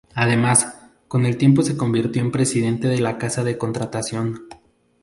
Además, con el tiempo se convirtió en presidente de la Casa de Contratación.